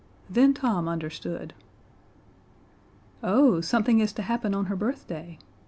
Then Tom understood. "Oh, something is to happen on her birthday?